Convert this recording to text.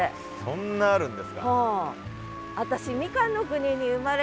そんなあるんですか。